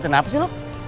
gitu kenapa sih lo